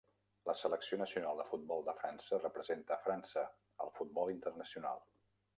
La selecció nacional de futbol de França representa França al futbol internacional.